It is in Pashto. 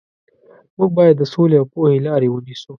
موږ باید د سولې او پوهې لارې ونیسو.